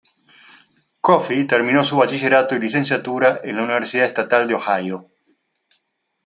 Coffey terminó su bachillerato y licenciatura en la Universidad Estatal de Ohio.